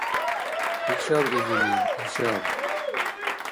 Ишаб изулив? Ишаб?